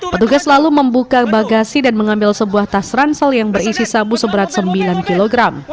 petugas lalu membuka bagasi dan mengambil sebuah tas ransel yang berisi sabu seberat sembilan kg